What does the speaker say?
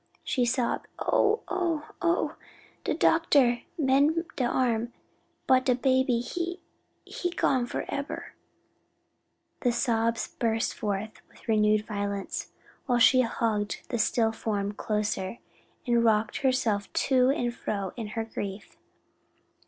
she sobbed, "oh! oh! oh! de doctah mend de arm, but de baby, he he done gone foreber;" and the sobs burst forth with renewed violence, while she hugged the still form closer, and rocked herself to and fro in her grief.